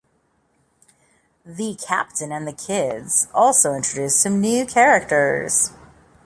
"The Captain and the Kids" also introduced some new characters.